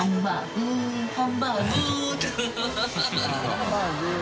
ハンバーグー」